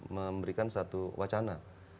memberikan satu wacana